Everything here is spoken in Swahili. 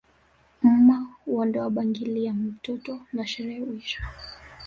Mma huondoa bangili ya mtoto na sherehe huisha